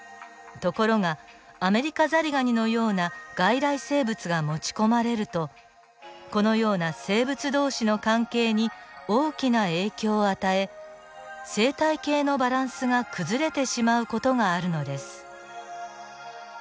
ところがアメリカザリガニのような外来生物が持ち込まれるとこのような生物同士の関係に大きな影響を与え生態系のバランスが崩れてしまう事があるのです。